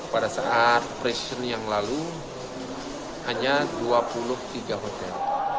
pada saat pression yang lalu hanya dua puluh tiga hotel